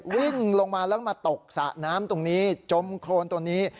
วิ่งลงมาแล้วมาตกสระน้ำตรงนี้จมโครนตัวนี้